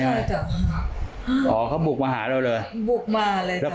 ไม่รู้พี่เขาอยู่ไหนเราก็ไม่รู้